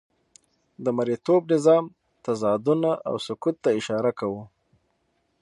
د مرئیتوب نظام تضادونه او سقوط ته اشاره کوو.